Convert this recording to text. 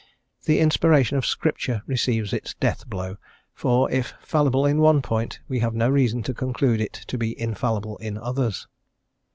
The inspiration of Scripture receives its death blow; for if fallible in one point, we have no reason to conclude it to be infallible in others.